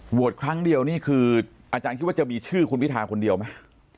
ครั้งเดียวนี่คืออาจารย์คิดว่าจะมีชื่อคุณพิทาคนเดียวไหม